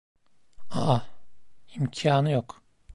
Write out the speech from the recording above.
Aaa, imkânı yok.